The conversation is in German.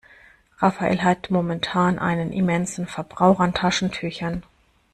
Rafael hat momentan einen immensen Verbrauch an Taschentüchern.